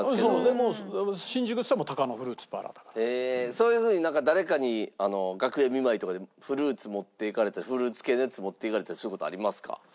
そういうふうに誰かに楽屋見舞いとかでフルーツ持って行かれたりフルーツ系のやつ持って行かれたりする事ありますか？